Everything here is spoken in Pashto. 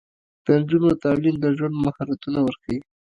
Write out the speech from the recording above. د نجونو تعلیم د ژوند مهارتونه ورښيي.